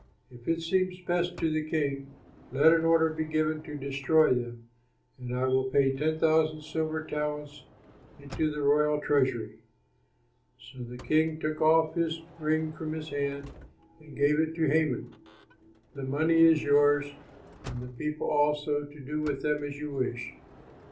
If it seems best to the king, let an order be given to destroy them, and I will pay ten thousand silver talents into the royal treasury." So the king took off his ring from his hand and gave it to Haman, "The money is yours and the people also to do with them as you wish."